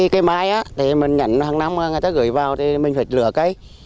cây mai thì mình nhận hàng năm người ta gửi vào thì mình phải lửa cây